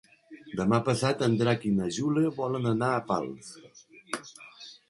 Demà passat en Drac i na Júlia volen anar a Pals.